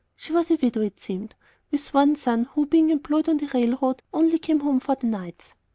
She was a widow, it seemed, with one son, who, being employed on the railroad, only came home for the nights.